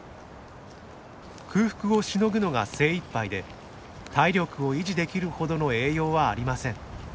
空腹をしのぐのが精いっぱいで体力を維持できるほどの栄養はありません。